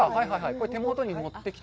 これ手元に持ってきて。